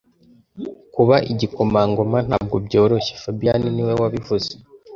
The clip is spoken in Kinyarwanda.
Kuba igikomangoma ntabwo byoroshye fabien niwe wabivuze